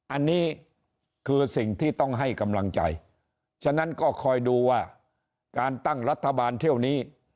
อันนี้คือสิ่งที่ต้องให้กำลังใจฉะนั้นก็คอยดูว่าการตั้งรัฐบาลเที่ยวนี้